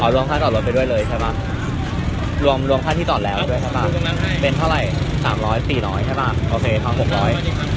รวมค่าจอดรถไปด้วยเลยใช่ป่ะรวมรวมค่าที่จอดแล้วด้วยใช่ป่ะเป็นเท่าไหร่สามร้อยสี่ร้อยใช่ป่ะโอเคครับหกร้อย